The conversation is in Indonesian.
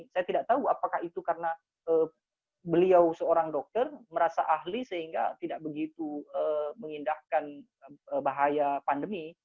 saya tidak tahu apakah itu karena beliau seorang dokter merasa ahli sehingga tidak begitu mengindahkan bahaya pandemi